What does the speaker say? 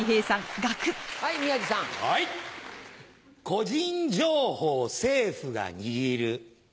個人情報政府が握る。